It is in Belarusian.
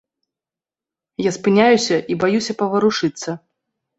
Я спыняюся і баюся паварушыцца.